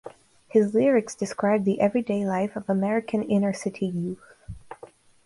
His lyrics describe the everyday life of American inner-city youth.